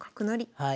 はい。